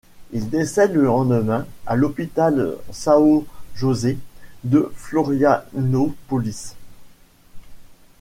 Il décède le lendemain à l'hôpital São José de Florianópolis.